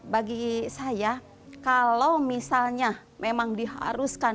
bagi saya kalau misalnya memang diharuskan